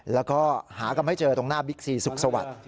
แล้วก็หากันไม่เจอตรงหน้าบิ๊กซีสุขสวัสดิ์